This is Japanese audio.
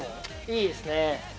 いいですね。